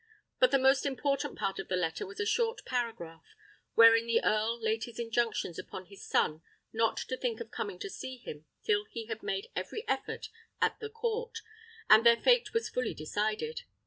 But the most important part of the letter was a short paragraph, wherein the earl laid his injunctions upon his son not to think of coming to see him till he had made every effort at the court, and their fate was fully decided.